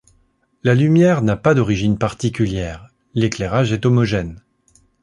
La lumière n'a pas d'origine particulière, l'éclairage est homogène.